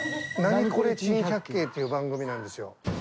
『ナニコレ珍百景』っていう番組なんですよ。